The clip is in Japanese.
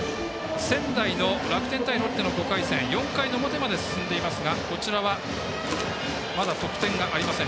仙台の楽天対ロッテ４回の表まで進んでいますがこちらは、まだ得点がありません。